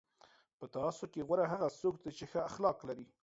په تاسو کې غوره هغه څوک دی چې ښه اخلاق ولري.